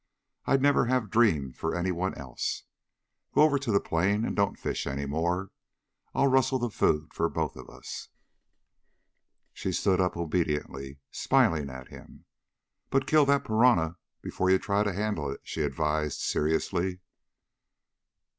I'd never have dreamed for anyone else. Go over to the plane and don't fish any more. I'll rustle the food for both of us." She stood up obediently, smiling at him. "But kill that piranha before you try to handle it," she advised seriously.